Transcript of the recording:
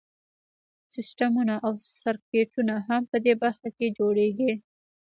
سیسټمونه او سرکټونه هم په دې برخه کې جوړیږي.